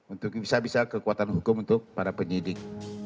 untuk bisa bisa kekuatan hukum untuk para penyidik